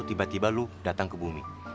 tiba tiba lu datang ke bumi